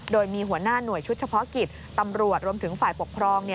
โดยมีหัวหน้าหน่วยชุดเฉพาะกิจตำรวจรวมถึงฝ่ายปกครอง